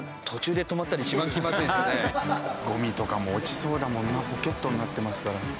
ゴミとかも落ちそうだもんなポケットになってますから。